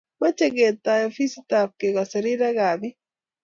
Mache ketoy ofisit ab kegase rirek ab piik